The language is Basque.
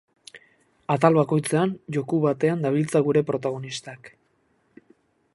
Atal bakoitzean joku batean dabiltza gure protagonistak.